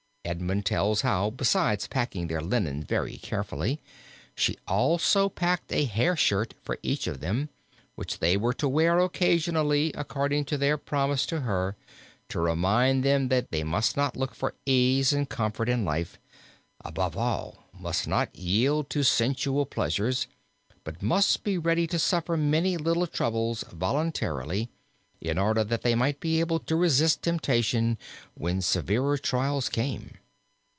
Edmund tells how besides packing their linen very carefully she also packed a hairshirt for each of them, which they were to wear occasionally according to their promise to her, to remind them that they must not look for ease and comfort in life, above all must not yield to sensual pleasures, but must be ready to suffer many little troubles voluntarily, in order that they might be able to resist temptation when severer trials came.